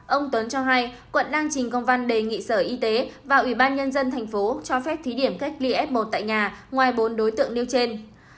ông tuấn cho hay quận đang trình công văn đề nghị sở y tế và ủy ban nhân dân thành phố cho phép thí điểm cách ly f một tại nhà ngoài bốn đối tượng nêu trên